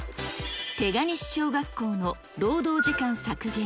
手賀西小学校の労働時間削減。